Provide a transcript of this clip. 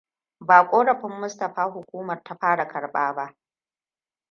Ba ƙorafin Mustapha hukumar ta fara karɓa ba.